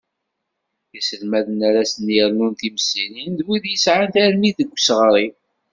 Iselmaden ara sen-yernun timsirin, d wid yesεan tarmit deg useɣṛi.